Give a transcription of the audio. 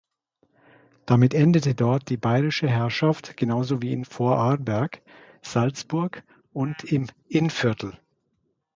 Damit endete dort die bayerische Herrschaft, genauso wie in Vorarlberg, Salzburg und im Innviertel.